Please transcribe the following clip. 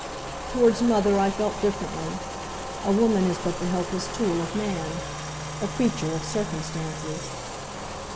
Towards mother I felt differently. A woman is but the helpless tool of man a creature of circumstances.